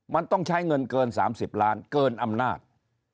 มันต้องใช้เงินเกิน๓๐ล้านเกินอำนาจ